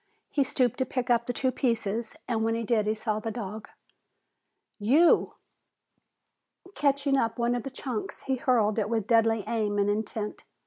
He stooped to pick up the two pieces and when he did he saw the dog. "You!" Catching up one of the chunks, he hurled it with deadly aim and intent.